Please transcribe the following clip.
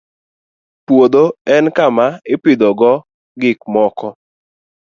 Puodho en kama ipidhogo gik moko